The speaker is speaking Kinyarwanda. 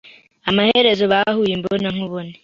Amaherezo, bahuye imbonankubone.